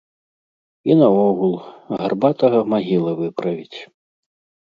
І наогул, гарбатага магіла выправіць.